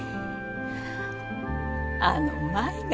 あの舞が。